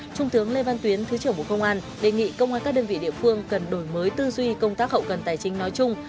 trung tướng lê văn tuyến thứ trưởng bộ công an đề nghị công an các đơn vị địa phương cần đổi mới tư duy công tác hậu cần tài chính nói chung